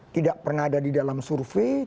tidak pernah ada di dalam survei